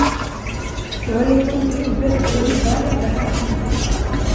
Jag har litet ont i huvudet, och det blir värre av det här.